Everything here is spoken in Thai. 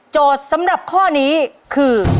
สำหรับข้อนี้คือ